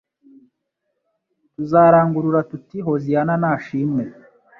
Tuzarangurura tuti hosiyana nashimwe